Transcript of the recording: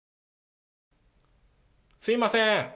すみません。